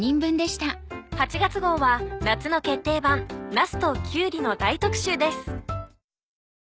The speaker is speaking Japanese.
８月号は夏の決定版なすときゅうりの大特集です。